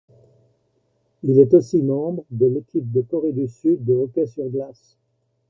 Il est aussi membre de l'Équipe de Corée du Sud de hockey sur glace.